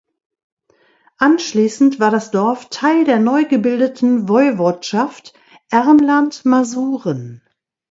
Anschließend war das Dorf Teil der neu gebildeten Woiwodschaft Ermland-Masuren.